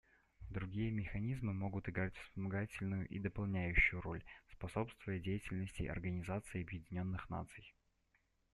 Другие механизмы могут играть вспомогательную и дополняющую роль, способствуя деятельности Организации Объединенных Наций.